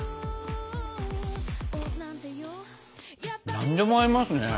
何でも合いますね。